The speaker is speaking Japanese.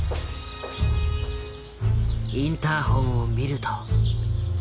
インターホンを見ると。